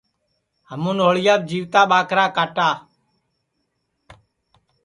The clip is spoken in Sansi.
ہمون ہوݪیاپ جیوتا کاٹا